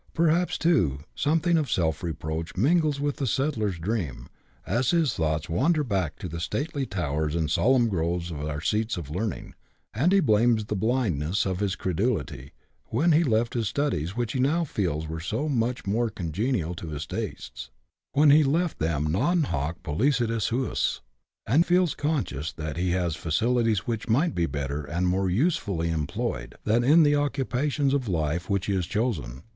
Perhaps, too, something of self reproach mingles with the settler's dream, as his thoughts wander back to the stately towers and solemn groves of our seats of learning ; and he blames the blind ness of his credulity, when he left the studies which he now feels were so much more congenial to his tastes — when he left them " non hoc pollicitus suis," and feels conscious that he has facul 94 BUSH LIFE IN AUSTRALIA. [chap. viii. ties which might be better and more usefully employed than in the occupations of the life which he has chosen.